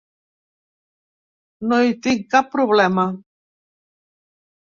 No hi tinc cap problema.